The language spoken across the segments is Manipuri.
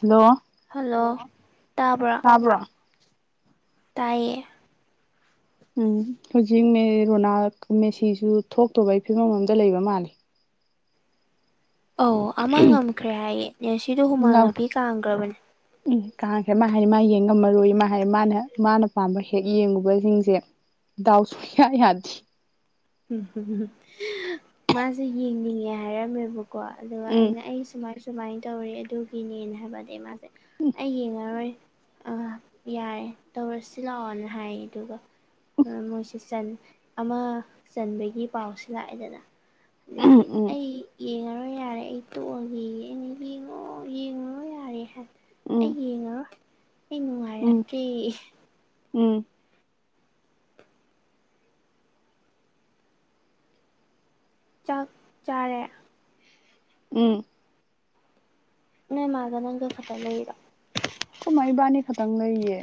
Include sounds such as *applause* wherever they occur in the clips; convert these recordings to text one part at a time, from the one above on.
ꯍꯜꯂꯣ ꯍꯜꯂꯣ ꯇꯥꯕ꯭ꯔꯣ ꯇꯢꯌꯦ ꯎꯝ ꯍꯧꯖꯤꯛ ꯔꯣꯅꯥꯜ ꯃꯦꯁꯤꯁꯨ ꯊꯣꯛꯇꯕꯒꯤ ꯐꯤꯕꯝ ꯑꯝꯗ ꯂꯩꯕ ꯃꯥꯜꯂꯦ ꯑꯧ ꯑꯃ ꯉꯝꯈ꯭ꯔꯦ ꯍꯥꯏꯌꯦꯅꯦ ꯃꯦꯁꯤꯗꯣ ꯍꯨꯃꯥꯡ ꯑꯅꯥꯞꯄꯤ ꯀꯥꯡꯈ꯭ꯔꯕꯅꯦ ꯎ ꯀꯥꯈ꯭ꯔꯦ ꯃꯥ ꯃꯥ ꯌꯦꯡ ꯉꯝꯃꯔꯣꯏ ꯃꯥ ꯍꯥꯏ ꯃꯥꯅ ꯃꯥꯅ ꯄꯥꯝꯕ ꯍꯦꯛ ꯌꯦꯡꯉꯨꯕꯁꯤꯡꯁꯦ ꯗꯥꯎ ꯁꯨꯌꯥ ꯌꯗꯤ ꯎꯝꯍꯝ ꯃꯥꯁꯦ ꯌꯦꯡꯅꯤꯡꯉꯦ ꯍꯥꯏꯔꯝꯃꯦꯕ ꯀꯣ ꯑꯗꯨꯒ ꯎꯝ ꯑꯩꯅ ꯑꯩ ꯁꯨꯃꯥꯏ ꯁꯨꯃꯥꯏꯅ ꯇꯧꯔꯦ ꯑꯗꯨꯒꯤꯅꯤꯅꯦ ꯍꯥꯏꯕ ꯑꯗꯩ ꯃꯥꯁꯦ ꯑꯩ ꯌꯦꯡꯉꯔꯣꯏ ꯑ ꯌꯥꯔꯦ ꯇꯧꯔꯁꯤ ꯂꯥꯛꯑꯣꯅ ꯍꯥꯏ ꯑꯗꯨꯒ ꯑ ꯃꯣꯏꯁꯦ ꯆꯟ ꯑꯃ ꯆꯟꯕꯒꯤ ꯄꯥꯎꯁꯤ ꯂꯥꯛꯑꯦꯗꯅ ꯑꯗꯒꯤ ꯎꯝ ꯑꯩ ꯌꯦꯡꯉꯔꯣꯢ ꯍꯣꯏ ꯌꯥꯔꯦ ꯑꯩ ꯇꯣꯛꯑꯒꯦ ꯑꯩꯅ ꯌꯦꯡꯉꯣ ꯌꯦꯡꯉꯣ ꯌꯥꯔꯦ ꯍꯥꯏ ꯎꯝ ꯑꯩ ꯌꯦꯡꯉꯔꯣꯢ ꯑꯩ ꯅꯨꯡꯉꯥꯏꯔꯛ ꯎꯝ ꯎꯝ ꯇꯔꯦꯌꯦ ꯎꯝ ꯆꯥꯛ ꯆꯥꯔꯦ ꯎꯝ ꯅꯣꯢ ꯃꯥꯒ ꯅꯪꯒ ꯈꯛꯇ ꯂꯩꯔꯣ ꯑꯈꯣꯢ ꯃ ꯏꯕꯥꯅꯤ ꯈꯛꯇꯪ ꯂꯩꯌꯦ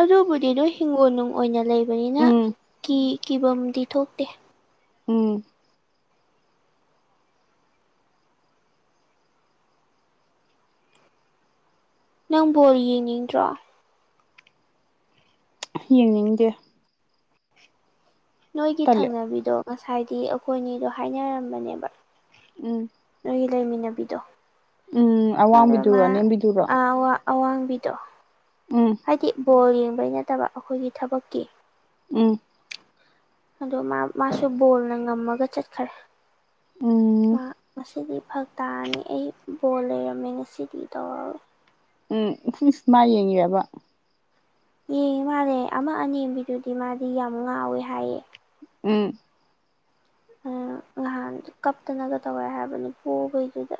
ꯑꯗꯨꯕꯨꯗꯤ ꯅꯣꯏ ꯍꯤꯡꯒꯣꯜ ꯅꯨꯡ ꯑꯣꯏꯅ ꯂꯩꯕꯅꯤꯅ ꯎꯝ ꯀꯤ ꯀꯤꯕꯝꯗꯤ ꯊꯣꯛꯇꯦ ꯎꯝ ꯅꯪ ꯕꯣꯜ ꯌꯦꯡꯅꯤꯡꯗ꯭ꯔꯣ ꯌꯦꯡꯅꯤꯡꯗꯦ ꯅꯣꯏꯒꯤ ꯇꯜꯂꯦ ꯊꯪꯅꯕꯤꯗꯣ ꯉꯁꯥꯏꯗꯤ ꯑꯩꯈꯣꯏꯅꯤꯗꯣ ꯍꯥꯏꯅꯔꯝꯕꯅꯦꯕ ꯎꯝ ꯅꯣꯢꯒꯤ ꯂꯩꯃꯤꯟꯅꯕꯤꯗꯣ ꯎꯝ ꯑꯗ ꯑꯋꯥꯡꯕꯤꯗꯨꯔꯣ ꯃꯥ ꯑꯅꯦꯝꯕꯤꯗꯨꯔꯣ ꯑꯋꯥ ꯑꯋꯥꯡꯕꯤꯗꯣ ꯎꯝ ꯍꯥꯏꯗꯤ ꯕꯣꯜ ꯌꯦꯡꯕꯩ ꯅꯠꯇꯕ ꯑꯩꯈꯣꯏꯒꯤ ꯊꯕꯛꯀꯤ ꯎꯝ ꯑꯗꯣ ꯃ ꯃꯥꯁꯨ ꯕꯣꯜꯅ ꯉꯝꯃꯒ ꯆꯠꯈꯔꯦ ꯎꯝ ꯃꯥ ꯉꯁꯤꯗꯤ ꯐꯛ ꯇꯥꯔꯅꯤ ꯑꯩ ꯕꯣꯜ ꯂꯩꯔꯝꯃꯦ ꯉꯁꯤꯗꯤ ꯇꯧꯔ ꯎꯝ ꯢꯁ ꯃꯥ ꯌꯦꯡꯉꯤꯔꯕ ꯌꯦꯡꯉꯤ ꯃꯥꯜꯂꯦ ꯑꯃ ꯑꯅꯦꯝꯕꯤꯗꯨꯗꯤ ꯃꯥꯗꯤ ꯌꯥꯝ ꯉꯥꯎꯋꯦ ꯍꯥꯏꯌꯦ ꯎꯝ ꯑ ꯅꯍꯥꯟ ꯀꯞꯇꯅꯒ ꯇꯧꯋꯦ ꯍꯥꯏꯕꯅꯤ ꯄꯣꯕꯩꯗꯨꯗ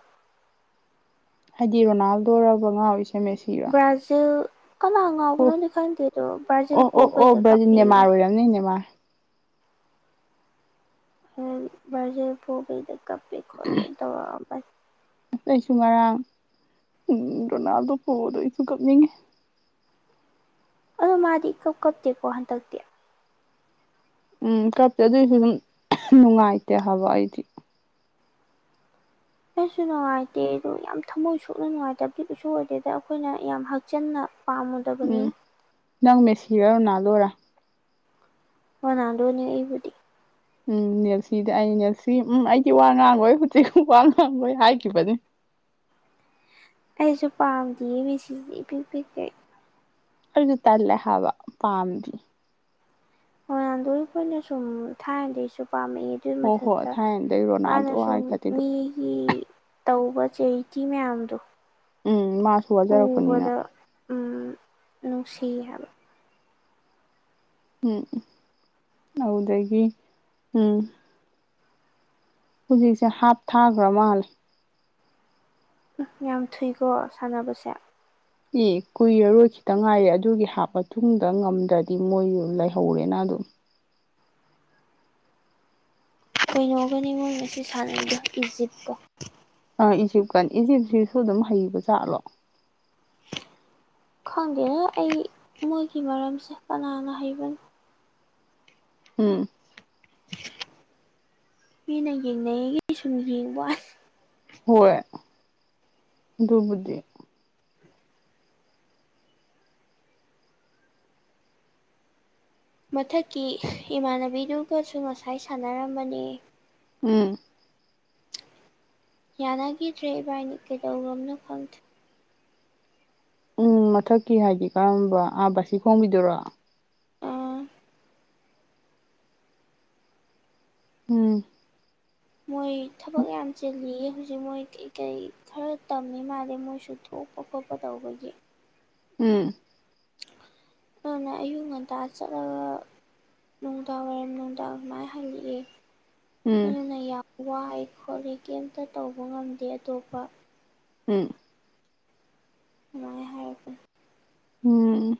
ꯍꯥꯏꯗꯤ ꯔꯣꯅꯥꯜꯗꯣꯔꯕ ꯉꯥꯎꯔꯤꯁꯦ ꯃꯦꯁꯤꯔꯣ ꯕ꯭ꯔꯥꯖꯤꯜ ꯀꯅꯥ ꯑꯣ ꯉꯥꯎꯕꯅꯣꯗꯤ ꯈꯪꯗꯦꯗꯣ ꯕ꯭ꯔꯥꯖꯤꯜ ꯑꯣ ꯑꯣ ꯑꯣ ꯄꯨꯕꯩꯗ ꯕ꯭ꯔꯥꯖꯤꯜ ꯀꯥꯞꯄꯦ ꯌꯦ ꯅꯦꯃꯥꯔ ꯑꯣꯏꯔꯝꯅꯤ ꯅꯦꯃꯥꯔ ꯍꯣꯢ ꯕꯔꯥꯖꯤꯜ ꯄꯣꯕꯩꯗ ꯀꯥꯞꯄꯦ ꯈꯣꯜꯂꯦ ꯇꯧꯔꯛ ꯑꯝꯕꯅꯦ ꯑꯩꯁꯨ ꯉꯔꯥꯡ ꯎꯝ ꯔꯣꯅꯥꯜꯗꯣ ꯄꯣꯗꯣ ꯑꯩꯁꯨ ꯀꯞꯅꯤꯡꯉꯤ ꯑꯗꯣ ꯃꯥꯗꯤ ꯏꯀꯥꯞ ꯀꯞꯇꯦꯀꯣ ꯍꯟꯗꯛꯇꯤ ꯎꯝ ꯀꯞꯇꯦ ꯑꯗꯨꯏꯁꯨ ꯑꯗꯨꯝ ꯅꯨꯡꯉꯥꯏꯇꯦ ꯍꯥꯏꯕ ꯑꯩꯗꯤ ꯑꯩꯁꯨ ꯅꯨꯡꯉꯥꯏꯇꯦ ꯑꯗ ꯌꯥꯝ ꯊꯝꯃꯣꯏ ꯁꯣꯛꯅ ꯅꯨꯡꯉꯥꯏꯇꯕꯗꯤ ꯀꯁꯨ ꯑꯣꯏꯗꯦꯗ ꯑꯩꯈꯣꯏꯅ ꯌꯥꯝ ꯍꯛꯆꯤꯟꯅ ꯎꯝ ꯄꯥꯝꯃꯨꯗꯕꯅꯤꯅ ꯅꯪ ꯃꯦꯁꯤꯔ ꯔꯣꯅꯥꯜꯗꯣꯔ ꯔꯣꯅꯦꯜꯗꯣꯅꯦ ꯑꯩꯕꯨꯗꯤ ꯎꯝ ꯅꯦꯜꯁꯤꯗ ꯑꯩ ꯅꯦꯜꯁꯤ ꯎꯝ ꯑꯩꯗꯤ ꯋꯥ ꯉꯥꯡꯉꯣꯏ ꯍꯧꯖꯤꯛ ꯋꯥ ꯉꯥꯡꯉꯣꯏ ꯍꯥꯏꯈꯤꯕꯅꯤ ꯑꯩꯁꯨ ꯄꯥꯝꯗꯤꯌꯦ ꯃꯦꯁꯤꯗꯤ ꯢꯄꯤꯛ ꯄꯤꯛꯀꯩ ꯑꯩꯅ ꯇꯜꯂꯦ ꯍꯥꯕ ꯄꯥꯝꯗꯤ ꯔꯣꯅꯥꯟꯗꯣꯗꯤ ꯑꯩꯈꯣꯢꯅ ꯁꯨꯝ ꯊꯥꯏꯅꯗꯩꯩ ꯁꯨ ꯄꯥꯝꯃꯛꯏ ꯑꯗꯨꯏ ꯍꯣ ꯍꯣꯏ ꯃꯊꯛꯇ ꯊꯥꯏꯅꯗꯩ ꯃꯥꯅ ꯔꯣꯅꯥꯜꯗꯣ ꯁꯨꯝ ꯍꯥꯏꯈ꯭ꯔꯗꯤꯗꯣ ꯃꯤꯒꯤ ꯇꯧꯕ ꯆꯦꯔꯤꯇꯤ ꯃꯌꯥꯝꯗꯣ ꯎꯝ ꯃꯥꯁꯨ ꯋꯥꯖꯔꯛꯄꯅꯤꯅ ꯎꯕꯗ ꯎꯝ ꯅꯨꯡꯁꯤ ꯍꯥꯏꯕ ꯎꯝ ꯎꯝ ꯑꯗꯨꯗꯒꯤ ꯎꯝ ꯍꯧꯖꯤꯛꯁꯦ ꯍꯥꯞꯊꯥꯒ꯭ꯔ ꯃꯥꯜꯂꯦ ꯎ ꯌꯥꯝ ꯊꯨꯏꯀꯣ ꯁꯥꯟꯅꯕꯁꯦ ꯑꯦ ꯀꯨꯏꯔꯔꯣ ꯈꯤꯇꯪ ꯉꯥꯏꯔꯦ ꯑꯗꯨꯒꯤ ꯍꯥꯞ ꯇꯨꯡꯗ ꯉꯝꯗ꯭ꯔꯗꯤ ꯃꯣꯏ ꯂꯩꯍꯧꯔꯦꯅ *unintelligible* ꯀꯩꯅꯣꯒꯅꯤꯉꯣ ꯉꯁꯤ ꯁꯥꯟꯅꯩꯗꯣ ꯏꯖꯤꯞꯀ ꯏꯖꯤꯞꯀꯥ ꯏꯖꯤꯞꯁꯤꯁꯨ ꯑꯗꯨꯝ ꯍꯩꯕ ꯖꯥꯠꯂꯣ ꯈꯪꯗꯦꯍꯦ ꯑꯩ ꯃꯣꯏꯒꯤ ꯃꯔꯝꯁꯦ ꯀꯅꯥꯅ ꯍꯩꯕꯅꯣ ꯍꯝ ꯃꯤꯅ ꯌꯦꯡꯅꯩꯌꯦꯒꯤ ꯁꯨꯝ ꯌꯦꯡꯕ꯭ꯋꯥꯅꯤ ꯍꯣꯏ ꯑꯗꯨꯕꯨꯗꯤ ꯃꯊꯛꯀꯤ ꯏꯃꯥꯟꯅꯕꯤꯗꯨꯒꯁꯨ ꯉꯁꯥꯏ ꯁꯥꯟꯅꯔꯝꯕꯅꯦ ꯎꯝ ꯌꯥꯅꯒꯤꯗ꯭ꯔꯦ ꯏꯕꯥꯟꯅꯤ ꯀꯩꯗꯧꯒ꯭ꯔꯕꯅꯣ ꯈꯪꯗꯦ ꯎꯝ ꯃꯊꯛꯀꯤ ꯍꯥꯏꯗꯤ ꯀꯔꯝꯕ ꯑꯥ ꯕꯥꯁꯤ ꯈꯣꯡꯕꯤ ꯗꯨꯔꯣ ꯑꯥ ꯎꯝ ꯃꯣꯏ ꯊꯕꯛ ꯌꯥꯝ ꯆꯤꯜꯂꯤꯌꯦ ꯍꯧꯖꯤꯛ ꯃꯣꯏ ꯀꯩ ꯀꯩ ꯈꯔ ꯇꯝꯃꯤ ꯃꯥꯜꯂꯦ ꯃꯣꯏꯁꯨ ꯊꯣꯛꯄ ꯈꯣꯠꯄ ꯇꯧꯕꯒꯤ ꯎꯝ ꯗꯨꯅ ꯑꯌꯨꯛ ꯉꯟꯇ ꯆꯠꯂꯒ ꯅꯨꯡꯗꯥꯡ ꯋꯥꯏꯔꯝ ꯅꯨꯡꯗꯥꯡ ꯑꯗꯨꯃꯥꯏꯅ ꯍꯜꯂꯛꯑꯦ ꯎꯝ ꯑꯗꯨꯅ ꯌꯥꯝ ꯋꯥꯏ ꯈꯣꯠꯂꯤ ꯀꯩꯝꯇ ꯇꯧꯕ ꯉꯝꯗꯦ ꯑꯇꯣꯞꯄ ꯎꯝ ꯑꯃꯥꯏ ꯍꯥꯏꯔꯛꯄ ꯎꯝ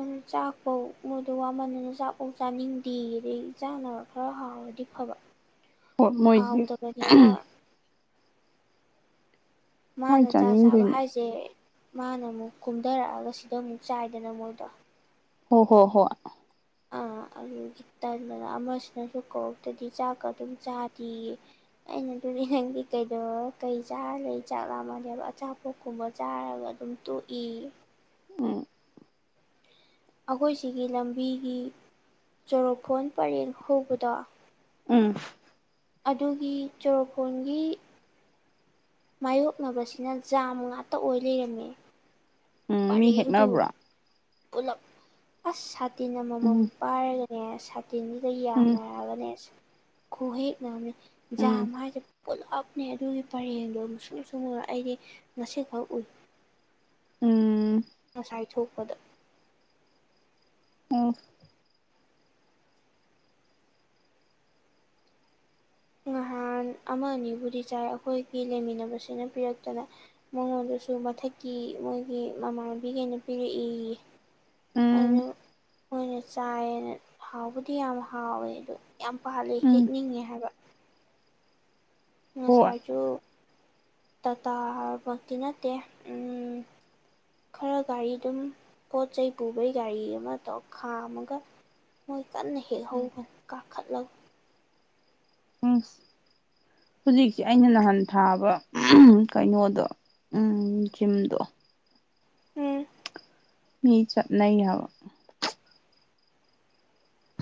ꯑꯅ ꯆꯥꯛ ꯄꯧ ꯃꯣꯏꯗꯣ ꯋꯥꯃꯟꯗꯅ ꯆꯥꯛ ꯄꯧ ꯆꯥꯅꯤꯡꯗꯦꯌꯦ ꯗꯨꯢ ꯆꯥꯅꯕ ꯐꯥꯎ ꯍꯥꯎ ꯗꯤ ꯐꯕ ꯍꯥꯎꯇꯕꯅꯤꯅ *unintelligible* ꯀꯥꯏ ꯃꯥꯅ ꯆꯥꯛ ꯆꯥꯕ ꯆꯥꯅꯤꯡꯗꯣꯏꯅꯣ ꯍꯥꯏꯁꯦ ꯃꯥꯅ ꯑꯃꯨꯛ ꯀꯨꯝꯗꯔꯛꯑꯒ ꯁꯤꯗ ꯑꯃꯨꯛ ꯆꯥꯏꯗꯅ ꯃꯣꯏꯗꯣ ꯍꯣ ꯍꯣ ꯍꯣꯏ ꯑꯥ ꯑꯗꯨꯒꯤ ꯇꯟꯗꯅ ꯑꯃꯁꯤꯅꯁꯨ ꯀꯧꯔꯛꯇꯗꯤ ꯆꯥꯛꯀ ꯑꯗꯨꯝ ꯆꯥꯗꯦꯌꯦ ꯑꯩꯅ ꯗꯨ ꯅꯪꯗꯤ ꯀꯩꯗ ꯀꯩ ꯆꯥꯔ ꯂꯩ ꯆꯥꯛ ꯂꯥꯝꯃꯛ ꯑꯗꯤ ꯍꯥꯏꯕ ꯑꯆꯥꯄꯣꯠ ꯀꯨꯝꯕ ꯆꯥꯔꯒ ꯑꯗꯨꯝ ꯇꯣꯛ ꯏ ꯎꯝ ꯑꯈꯣꯏ ꯁꯤꯒꯤ ꯂꯝꯕꯤꯒꯤ ꯆꯣꯔꯣꯐꯣꯟ ꯄꯔꯦꯡ ꯍꯧꯕꯗꯣ ꯎꯝ ꯑꯗꯨꯒꯤ ꯆꯣꯔꯣꯐꯣꯟꯒꯤ ꯃꯥꯌꯣꯛꯅꯕꯁꯤꯅ ꯖꯥꯝ ꯉꯥꯛꯇ ꯑꯣꯏ ꯂꯩꯔꯝꯃꯦ ꯎꯝ ꯃꯤ ꯄꯔꯦꯡꯗꯨ ꯍꯦꯛꯅꯕ꯭ꯔꯣ ꯄꯨꯂꯞ ꯑ꯭ꯁ ꯁꯥꯇꯤꯟ ꯑꯃꯃꯝ ꯎꯝ ꯄꯥꯏꯔ ꯃꯦ ꯁꯥꯇꯤꯟꯗꯨꯗ ꯎꯝ ꯌꯥꯅꯔꯕꯅꯦ ꯈꯨꯍꯦꯛꯅ ꯑꯝꯅꯦ ꯖꯥꯝ ꯎꯝ ꯍꯥꯏꯁꯦ ꯄꯨꯂꯞꯅꯦ ꯑꯗꯨꯒꯤ ꯄꯔꯦꯡꯗꯣ ꯃꯨꯁꯨꯛ ꯃꯨꯁꯨꯛ ꯃꯨꯔꯒ ꯑꯩꯗꯤ ꯉꯁꯤꯈꯛ ꯎꯏ ꯎꯝ ꯉꯁꯥꯏ ꯊꯣꯛꯄꯗ ꯎꯝ ꯅꯍꯥꯟ ꯑꯃ ꯑꯅꯤꯕꯨꯗꯤ ꯆꯥꯏ ꯑꯩꯈꯣꯏꯒꯤ ꯂꯩꯃꯤꯟꯅꯕꯁꯤꯅ ꯄꯤꯔꯛꯇꯅ ꯃꯉꯣꯟꯗ ꯁꯨ ꯃꯊꯛꯀꯤ ꯃꯣꯏꯒꯤ ꯃꯃꯥꯟꯅꯕꯤꯒꯅ ꯄꯤꯔꯛꯑꯦꯌꯦ ꯎꯝ ꯑꯩꯈꯣꯏꯅ ꯆꯥꯏꯌꯦꯅ ꯍꯥꯎꯕꯗꯤ ꯌꯥꯝ ꯍꯥꯎꯋꯦ ꯑꯗꯨ ꯌꯥꯝ ꯄꯥꯜꯂꯤ ꯎꯝ ꯍꯦꯛꯅꯤꯡꯉꯦ ꯍꯥꯏꯕ ꯍꯣꯏ ꯑꯁꯥꯏꯁꯨ ꯇꯥꯇꯥ ꯃꯛꯇꯤ ꯅꯠꯇꯦ ꯎꯝ ꯈꯔ ꯒꯥꯔꯤ ꯑꯗꯨꯝ ꯄꯣꯠ ꯆꯩꯩ ꯄꯨꯕꯩ ꯒꯥꯔꯤ ꯑꯃ ꯇꯣꯛ ꯈꯥꯝꯃꯒ ꯃꯣꯏ ꯀꯟꯅ ꯎꯝ ꯍꯦꯛꯍꯧꯕꯅꯤ ꯀꯥꯈꯠꯂꯒ ꯎꯝ ꯍꯧꯖꯤꯛꯁꯦ ꯑꯩꯅ ꯅꯍꯥꯟ ꯊꯥꯕ ꯀꯩꯅꯣꯗꯣ ꯎꯝ ꯖꯤꯝꯗꯣ ꯎꯝ ꯃꯤ ꯆꯠꯅꯩ ꯍꯥꯏꯕ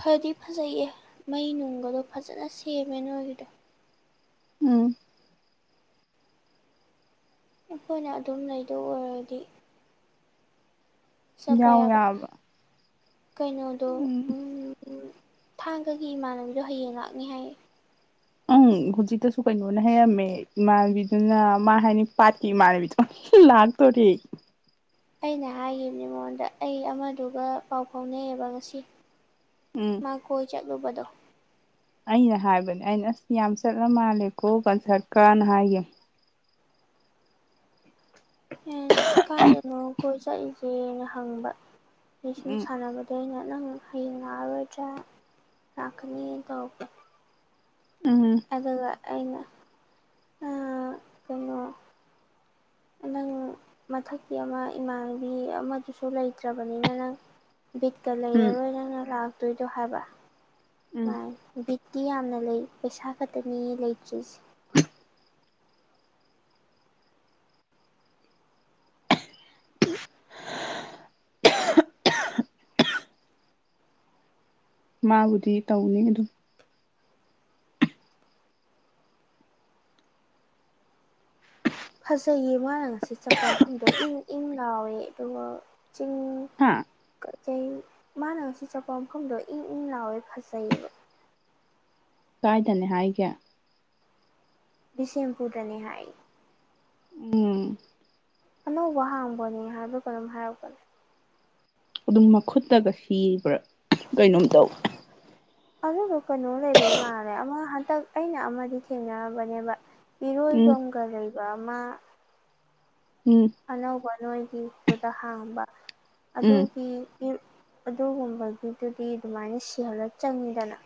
ꯐꯗꯤ ꯐꯖꯩꯌꯦ ꯃꯩ ꯅꯨꯡꯒꯗꯣ ꯐꯖꯅ ꯁꯦꯝꯃꯦ ꯅꯣꯏꯒꯤꯗꯣ ꯎꯝ ꯑꯩꯈꯣꯏꯅ ꯑꯗꯨꯝ ꯂꯩꯗꯧ ꯑꯣꯏꯔꯗꯤ ꯌꯥꯎ ꯌꯥꯕ ꯀꯩꯅꯣꯗꯣ ꯎꯝ ꯎꯝ ꯊꯥꯡꯒꯒꯤ ꯏꯃꯥꯟꯅꯕꯤꯗꯣ ꯍꯌꯦꯡ ꯂꯥꯛꯅꯤ ꯍꯥꯏꯌꯦ ꯑꯪ ꯍꯧꯖꯤꯛꯇꯁꯨ ꯀꯩꯅꯣꯅ ꯍꯥꯏꯔꯝꯃꯦ ꯏꯃꯥꯟꯅꯕꯤꯗꯨꯅ ꯃꯥ ꯍꯥꯏꯅꯤ ꯄꯥꯠꯈꯤ ꯏꯃꯥꯟꯅꯕꯤꯗ ꯂꯥꯛꯇꯣꯔꯦ ꯑꯩꯅ ꯍꯥꯏꯈꯤꯕꯅꯤ ꯃꯉꯣꯟꯗ ꯑꯩ ꯑꯃꯗꯨꯒ ꯄꯥꯎ ꯐꯥꯎꯅꯩꯑꯦꯕ ꯉꯁꯤ ꯎꯝ ꯃꯥ ꯀꯣꯏ ꯆꯠ ꯂꯨꯕꯗꯣ ꯑꯩꯅ ꯍꯥꯏꯕꯅꯦ ꯑꯩꯅ ꯑꯁ ꯌꯥꯝ ꯆꯠꯂ ꯃꯥꯜꯂꯦꯀꯣ ꯀꯟꯁꯔꯠꯀꯅ ꯍꯥꯏꯒꯤꯝꯅꯦ *unintelligible* ꯑꯦ ꯀꯥꯏꯗꯅꯣ ꯑꯩꯈꯣꯏ ꯆꯠꯂꯤꯁꯦꯅ ꯍꯪꯕ ꯑꯩ ꯁꯨꯝ ꯎꯝ ꯁꯥꯟꯅꯕꯗ ꯑꯩꯅ ꯅꯪ ꯍꯌꯦꯡ ꯂꯥꯛꯑꯔꯣꯏꯗ꯭ꯔꯥ ꯂꯥꯛꯀꯅꯤ ꯇꯧꯔꯛꯄ ꯎꯝ ꯑꯗꯨꯒ ꯑꯩꯅ ꯑ ꯀꯩꯅꯣ ꯅꯪ ꯃꯊꯛꯀꯤ ꯑꯃ ꯏꯃꯥꯟꯅꯕꯤ ꯑꯃꯗꯨꯁꯨ ꯂꯩꯇ꯭ꯔꯕꯅꯤꯅ ꯅꯪ ꯕꯤꯠꯀ ꯎꯝ ꯂꯩꯔꯔꯣꯏ ꯅꯪꯅ ꯂꯥꯛꯇꯣꯏꯗꯣ ꯍꯥꯏꯕ ꯎꯝ ꯇꯤ ꯌꯥꯝꯅ ꯂꯩ ꯄꯩꯁꯥ ꯈꯛꯇꯅꯤ ꯂꯩꯇ꯭ꯔꯤꯁꯦ *unintelligible* ꯃꯥꯕꯨꯗꯤ ꯇꯧꯅꯤ ꯑꯗꯨꯝ ꯐꯖꯩꯌꯦ ꯃꯥꯅ ꯉꯁꯤ ꯆꯠꯄ ꯃꯐꯝꯗꯣ ꯏꯪ ꯏꯪ ꯂꯥꯎꯋꯦ ꯑꯗꯨꯒ ꯆꯤꯡ ꯍꯥ ꯀꯩ ꯀꯩ ꯃꯥꯅ ꯉꯁꯤ ꯆꯄ ꯃꯐꯝꯗꯣ ꯏꯪ ꯏꯪ ꯂꯥꯎꯑꯦ ꯐꯖꯩꯑꯦꯕ ꯀꯥꯏꯗꯅꯦ ꯍꯥꯏꯒꯦ ꯕꯤꯁꯦꯝꯄꯨꯔꯗꯅꯤ ꯍꯥꯏ ꯎꯝ ꯑꯅꯧꯕ ꯍꯥꯡꯕꯅꯦ ꯍꯥꯏꯕꯔ ꯀꯩꯅꯣꯝ ꯍꯥꯏꯔꯛꯄꯅꯦ ꯑꯗꯨꯝ ꯃꯈꯨꯠꯇꯒ ꯁꯤꯕ꯭ꯔꯥ ꯀꯩꯅꯣꯝ ꯇꯧ ꯑꯗꯨꯕꯨ ꯀꯩꯅꯣ ꯂꯩꯕꯩ ꯃꯥꯜꯂꯦ ꯑꯃ ꯍꯟꯇꯛ ꯑꯩꯅ ꯑꯃꯗꯤ ꯊꯦꯡꯅꯔꯕꯅꯦꯕ ꯎꯝ ꯏꯔꯣꯏꯕꯝꯒ ꯂꯩꯕꯃ ꯎꯝ ꯑꯅꯧꯕ ꯅꯣꯏꯒꯤꯗꯨꯗ ꯍꯥꯡꯕ ꯎꯝ ꯑꯗꯨꯒꯤ ꯒꯤ ꯑꯗꯨꯒꯨꯝꯕꯒꯤꯇꯨꯗꯤ ꯑꯗꯨꯃꯥꯏꯅ ꯁꯤꯍꯜꯂ ꯆꯪꯉꯤꯗꯅ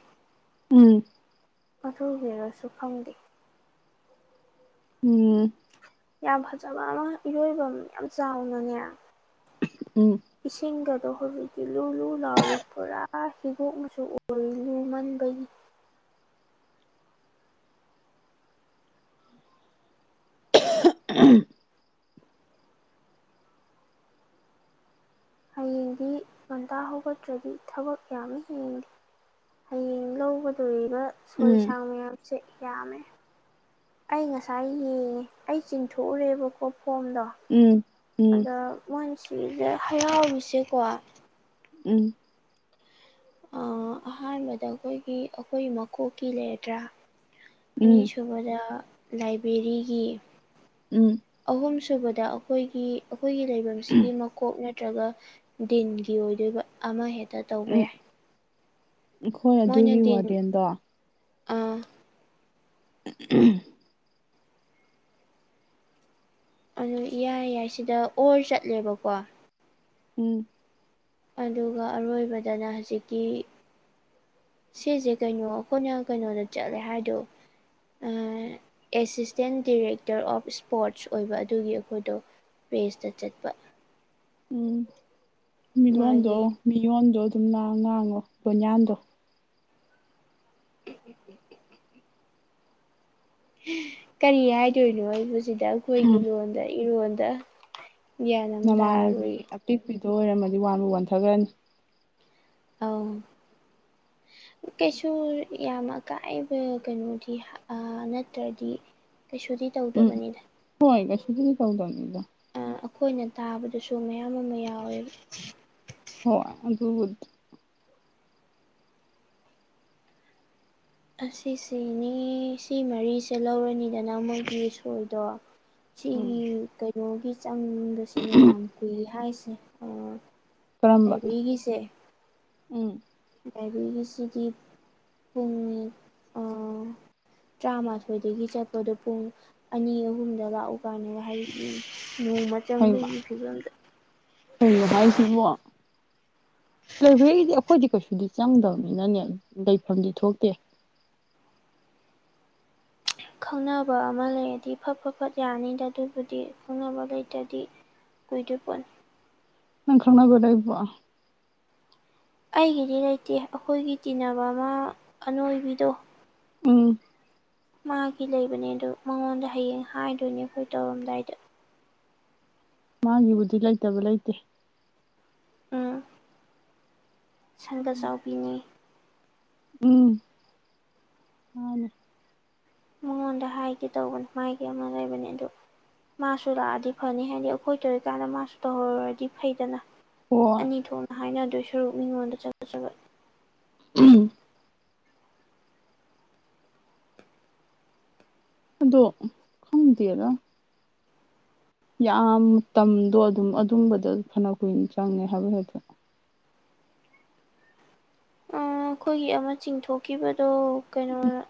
ꯎꯝ ꯑꯗꯨ ꯒꯤꯔꯁꯨ ꯈꯪꯗꯦ ꯎꯝ ꯌꯥꯝ ꯐꯖꯕ ꯑꯃ ꯏꯔꯣꯏꯕ ꯌꯥꯝ ꯆꯥꯎꯅꯅꯦ ꯎꯝ ꯏꯁꯤꯡꯒ ꯑꯗꯣ ꯍꯧꯖꯤꯛꯇꯤ ꯂꯨ ꯂꯨ ꯂꯥꯎꯔꯤ ꯄꯨꯔꯥ ꯍꯤꯒꯣꯛ ꯃꯆꯨ ꯎꯂꯦ ꯂꯨ ꯃꯟꯕꯒꯤ *unintelligible* *unintelligible* ꯍꯌꯦꯡꯗꯤ ꯉꯟꯇꯥ ꯍꯧꯒꯠꯇ꯭ꯔꯗꯤ ꯊꯕꯛ ꯌꯥꯝꯃꯤ ꯍꯌꯦꯡꯗꯤ ꯍꯌꯦꯡ ꯂꯧꯒꯗꯣꯔꯤꯕ ꯎꯝ ꯁꯣꯏꯁꯥꯡ ꯃꯌꯥꯝꯁꯦ ꯌꯥꯝꯃꯦ ꯑꯩ ꯉꯁꯥꯏ ꯌꯦꯑꯦ ꯑꯩ ꯆꯤꯡꯊꯣꯛꯎꯔꯦꯕ ꯀꯣ ꯐꯣꯝꯗꯣ ꯎꯝ ꯎꯝ ꯑꯗ ꯃꯣꯏꯁꯤꯗ ꯍꯔꯥꯎꯔꯤꯁꯦꯀꯣ ꯎꯝ ꯑꯥ ꯑꯍꯥꯟꯕꯗ ꯑꯩꯈꯣꯏꯒꯤ ꯑꯩꯈꯣꯏ ꯃꯀꯣꯛꯀꯤ ꯂꯩꯔꯗ꯭ꯔꯥ ꯎꯝ ꯑꯅꯤꯁꯨꯕꯗ ꯂꯥꯏꯕ꯭ꯔꯦꯔꯤꯒꯤ ꯎꯝ ꯑꯍꯨꯝ ꯁꯨꯕꯗ ꯑꯩꯈꯣꯏꯒꯤ ꯑꯩꯈꯣꯏꯒꯤ ꯂꯩꯕꯝꯁꯤꯒꯤ ꯃꯀꯣꯛꯅꯦ ꯅꯠꯇ꯭ꯔꯒ ꯗꯤꯟꯒꯤ ꯑꯣꯏꯗꯣꯏꯕ ꯑꯃꯍꯦꯛꯇ ꯇꯧꯕ ꯌꯥꯏ ꯑꯈꯣꯏ ꯑꯗꯨꯒꯤ ꯋꯥꯔꯗꯦꯟꯗꯣ ꯑꯥ *unintelligible* ꯑꯗꯨ ꯏꯌꯥ ꯌꯥꯏ ꯁꯤꯗ ꯑꯣꯔ ꯆꯠꯂꯦꯕꯀꯣ ꯎꯝ ꯑꯗꯨꯒ ꯑꯔꯣꯏꯕꯗꯅ ꯍꯧꯖꯤꯛꯀꯤ ꯁꯤꯁꯦ ꯀꯩꯅꯣ ꯑꯩꯈꯣꯏꯅ ꯀꯩꯅꯣꯗ ꯆꯠꯂꯦ ꯍꯥꯏꯗꯣ ꯑꯥ ꯑꯦꯁꯤꯁꯇꯦꯟ ꯗꯤꯔꯦꯛꯇꯔ ꯑꯣꯐ ꯏꯁꯄꯣꯔꯠꯁ ꯑꯣꯏꯕ ꯑꯗꯨꯒꯤ ꯑꯩꯈꯣꯏꯗꯣ ꯔꯦꯁꯇ ꯆꯠꯄ ꯎꯝ ꯃꯤ ꯂꯣꯟꯗꯣ ꯃꯥꯒꯤ ꯃꯤ ꯌꯣꯟꯗꯣ ꯒꯨꯝꯅ ꯉꯥꯡꯉꯣ ꯕꯣꯌꯥꯟꯗꯣ *inaudible* ꯀꯔꯤ ꯍꯥꯏꯗꯣꯏꯅꯣ ꯑꯩꯕꯨꯁꯤꯗ ꯑꯩꯈꯣꯏꯒꯤ ꯎꯝ ꯂꯣꯟꯗ ꯏꯔꯣꯟꯗ ꯒ꯭ꯌꯥꯟ ꯑꯃ ꯅꯃꯥꯟꯅꯕꯤ ꯇꯥꯔꯣꯏ ꯑꯄꯤꯛꯄꯤꯗꯣ ꯑꯣꯏꯔꯝꯃꯗꯤ ꯋꯥꯟꯕꯨ ꯋꯥꯟꯊꯒ꯭ꯔꯅꯤ ꯑꯧ ꯀꯩꯁꯨ ꯌꯥꯝ ꯑꯀꯥꯏꯕ ꯀꯩꯅꯣꯗꯤ ꯑꯥ ꯅꯠꯇ꯭ꯔꯗꯤ ꯀꯩꯁꯨꯗꯤ ꯇꯧꯗꯕꯅꯤꯗ ꯑꯗꯨꯗꯤ ꯇꯧꯗꯕꯅꯤꯗ ꯑꯩꯈꯣꯏꯅ ꯇꯥꯕꯗꯁꯨ ꯃꯌꯥꯝ ꯑꯃ ꯌꯥꯎꯋꯦꯕ ꯍꯣ ꯑꯗꯨꯕꯨꯗꯤ ꯑꯁꯤꯁꯤꯅꯦ ꯁꯤ ꯃꯔꯤꯁꯦ ꯂꯧꯔꯅꯤꯗꯅ ꯃꯣꯏꯒꯤ ꯁꯣꯏꯗꯣ ꯎꯝ ꯁꯤꯒꯤ ꯀꯩꯅꯣꯒꯤ ꯆꯪꯕꯁꯤꯅꯦ ꯌꯥꯝ ꯀꯨꯏ ꯍꯥꯏꯁꯦ ꯑꯥ ꯀꯔꯝꯕ ꯂꯥꯏꯕꯔꯤꯒꯤꯁꯦ ꯎꯝ ꯂꯥꯏꯕꯔꯤꯒꯤꯁꯤꯗꯤ ꯄꯨꯡ ꯑꯥ ꯇ꯭ꯔꯥꯃꯥꯊꯣꯏꯗꯒꯤ ꯆꯠꯄꯗꯣ ꯄꯨꯡ ꯑꯅꯤ ꯑꯍꯨꯝꯗ ꯂꯥꯛꯎ ꯀꯥꯏꯅꯒ ꯍꯥꯏꯔꯛꯑꯦꯌꯦ ꯅꯣꯡꯃ ꯍꯩꯃ ꯆꯪꯕꯒꯤ ꯐꯤꯕꯝꯗ ꯀꯩꯅꯣ ꯍꯥꯏꯁꯤꯕꯣ ꯂꯥꯏꯕꯦꯔꯤꯗꯤ ꯑꯈꯣꯏꯗꯤ ꯀꯩꯁꯨꯗꯤ ꯆꯪꯗꯕꯅꯤꯅꯅꯦ ꯂꯩꯐꯝꯗꯤ ꯊꯣꯛꯇꯦ *inaudible* ꯈꯪꯅꯕ ꯑꯃ ꯂꯩꯔꯗꯤ ꯐꯠ ꯐꯠ ꯐꯠ ꯌꯥꯅꯤꯗ ꯑꯗꯨꯕꯨꯗꯤ ꯈꯪꯅꯕ ꯂꯩꯇꯔꯗꯤ ꯀꯨꯏꯗꯨꯏ ꯄꯣꯠꯅꯤ ꯅꯪ ꯈꯪꯅꯕ ꯂꯩꯔꯤꯕꯣ ꯑꯩꯒꯤꯗꯤ ꯂꯩꯇꯦ ꯑꯈꯣꯏꯒꯤ ꯇꯤꯟꯅꯕ ꯑꯃ ꯑꯅꯣꯏꯕꯤꯗꯣ ꯎꯝ ꯃꯥꯒꯤ ꯂꯩꯕꯅꯦ ꯑꯗꯣ ꯃꯉꯣꯟꯗ ꯍꯌꯦꯡ ꯍꯥꯏꯗꯣꯏꯅꯦ ꯑꯈꯣꯏ ꯇꯧꯔꯝꯗꯥꯏꯗ ꯃꯥꯒꯤꯕꯨꯗꯤ ꯂꯩꯇꯕ ꯂꯩꯇꯦ ꯎꯝ ꯁꯪꯒ ꯆꯥꯎꯕꯤꯅꯦ ꯎꯝ ꯎꯝ ꯃꯉꯣꯟꯗ ꯍꯥꯏꯒꯦ ꯇꯧꯕꯅꯦ ꯃꯥꯒꯤ ꯑꯃ ꯂꯩꯕꯅꯦ ꯑꯗꯨ ꯃꯥꯁꯨ ꯂꯥꯛꯑꯗꯤ ꯐꯅꯤ ꯍꯥꯏꯗꯤ ꯑꯩꯈꯣꯏ ꯇꯧꯔꯤꯀꯥꯟꯗ ꯃꯥꯁꯨ ꯇꯧꯍꯧꯔꯨꯔꯗꯤ ꯐꯩꯗꯅ ꯍꯣꯏ ꯑꯅꯤ ꯊꯣꯛꯅ ꯍꯥꯏꯅꯗꯣꯏ ꯁꯔꯨꯛ ꯃꯤꯉꯣꯟꯗ ꯆꯒꯠ ꯆꯒꯠ *unintelligible* ꯑꯗꯣ ꯈꯪꯗꯦꯗ ꯌꯥꯝ ꯇꯝꯗꯣ ꯑꯗꯨꯝ ꯑꯗꯨꯝꯕꯗ ꯐꯅ ꯀꯨꯏꯅ ꯆꯪꯉꯦ ꯍꯥꯏꯕ ꯍꯦꯛꯇ ꯑꯣ ꯈꯣꯏꯒꯤ ꯑꯃ ꯆꯤꯡꯊꯣꯛꯈꯤꯕꯗꯣ ꯀꯩꯅꯣꯅ